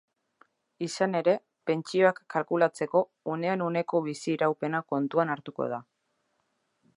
Izan ere, pentsioak kalkulatzeko unean-uneko bizi-iraupena kontuan hartuko da.